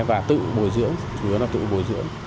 và tự bồi dưỡng